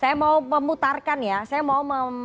saya mau memutarkan ya saya mau